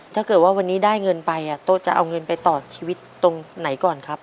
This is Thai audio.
ถ้าเกิดว่าวันนี้ได้เงินไปโต๊ะจะเอาเงินไปต่อชีวิตตรงไหนก่อนครับ